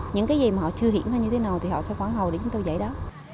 những cái gì mà họ chưa hiển hay như thế nào thì họ sẽ khoảng hầu đến chúng tôi giải đó